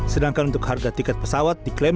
sedangkan untuk harga tiket pesawat diklaim